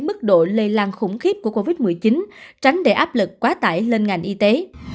mức độ lây lan khủng khiếp của covid một mươi chín tránh để áp lực quá tải lên ngành y tế